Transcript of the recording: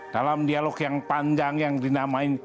dalam dialog yang panjang yang dinamain